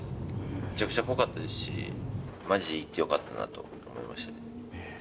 めちゃくちゃ濃かったですし、まじで行ってよかったなと思いましたね。